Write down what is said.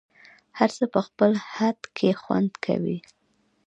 هر څه په خپل خد کي خوند کوي